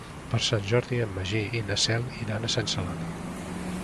Per Sant Jordi en Magí i na Cel iran a Sant Celoni.